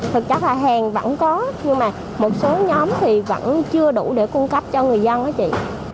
thực chắc là hàng vẫn có nhưng mà một số nhóm thì vẫn chưa đủ để cung cấp cho người dân hóa chị